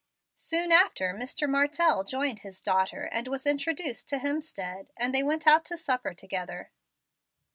Soon after Mr. Martell joined his daughter, and was introduced to Hemstead; and they went out to supper together.